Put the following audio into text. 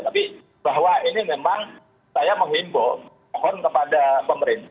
tapi bahwa ini memang saya menghimbau mohon kepada pemerintah